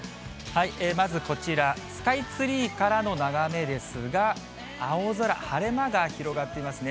まずこちら、スカイツリーからの眺めですが、青空、晴れ間が広がっていますね。